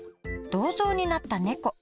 「銅像になった猫」。